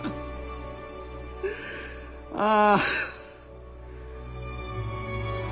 ああ。